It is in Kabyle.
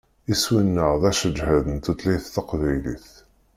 Iswi-nneɣ d aseǧhed n tutlayt taqbaylit.